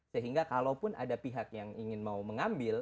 sehingga kalaupun ada pihak yang ingin mau mengambil